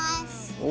お。